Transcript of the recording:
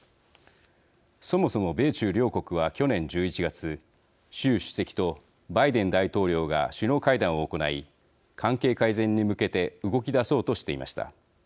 そもそも、米中両国は去年１１月習主席とバイデン大統領が首脳会談を行い関係改善に向けて動きだそうとしていました。